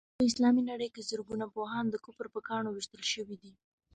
په اسلامي نړۍ کې زرګونه پوهان د کفر په ګاڼو ويشتل شوي دي.